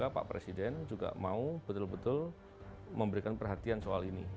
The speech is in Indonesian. pak presiden juga mau betul betul memberikan perhatian soal ini